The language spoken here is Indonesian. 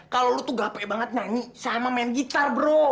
kalau lu tuh gape banget nyanyi sama main gitar bro